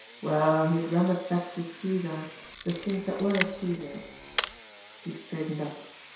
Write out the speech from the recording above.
Well, he had rendered back to "Caesar" the things that were "Caesar's." He straightened up.